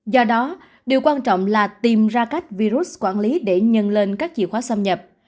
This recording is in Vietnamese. do đó điều quan trọng là tìm ra cách virus quản lý để nhân lên các chìa khóa xâm nhập